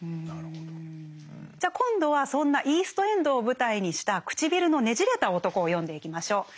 じゃあ今度はそんなイースト・エンドを舞台にした「唇のねじれた男」を読んでいきましょう。